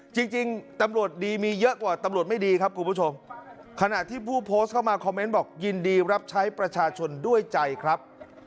จริงจริงตำรวจดีมีเยอะกว่าตำรวจไม่ดีครับคุณผู้ชมขณะที่ผู้โพสต์เข้ามาคอมเมนต์บอกยินดีรับใช้ประชาชนด้วยใจครับ